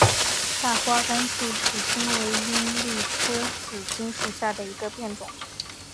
大花甘肃紫堇为罂粟科紫堇属下的一个变种。